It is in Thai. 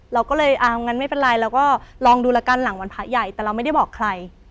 เราก็เลยเอางั้นไม่เป็นไรเราก็ลองดูแล้วกันหลังวันพระใหญ่แต่เราไม่ได้บอกใคร